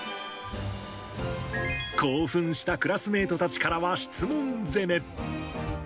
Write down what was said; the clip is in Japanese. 興奮したクラスメートたちからは質問攻め。